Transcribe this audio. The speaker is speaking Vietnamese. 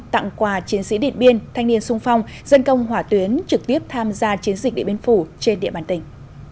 tặng quà chiến sĩ điện biên thanh niên sung phong dân công hỏa tuyến trực tiếp tham gia chiến dịch điện biên phủ trên địa bàn tỉnh